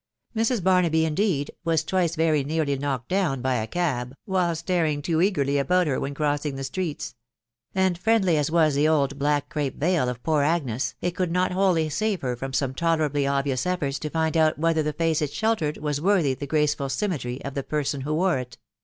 Mrs. Barnaby, indeed, was twice very nearly knocked dowa by a cab, while staring too eagerly about her when croanag the streets ; and friendly as was the old black crape veil of poor Agnes, it could not wholly save her from some tolerabrj obvious efforts to find out whether the face it sheltered wsj worthy the graceful symmetry of the person who wore it